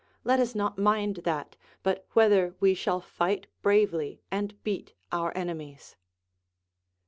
Let us not mind that, but whether we shall fight bravely and beat our enemies.